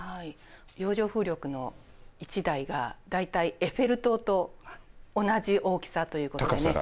洋上風力の１台が大体エッフェル塔と同じ大きさということでね。